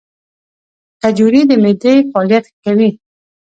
کجورې د معدې فعالیت ښه کوي.